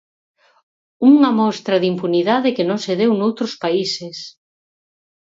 Unha mostra de impunidade que non se deu noutros países.